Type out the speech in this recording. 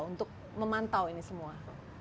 untuk memantau ini semua